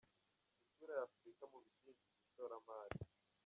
Isura ya Afurika mu bidindiza ishoramari.